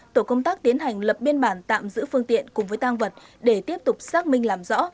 tổ công tác tiến hành lập biên bản tạm giữ phương tiện cùng với tang vật để tiếp tục xác minh làm rõ